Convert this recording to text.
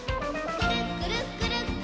くるっくるくるっくる。